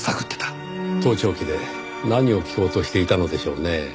盗聴器で何を聞こうとしていたのでしょうね。